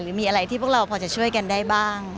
หรือมีอะไรที่พวกเราพอจะช่วยกันได้บ้าง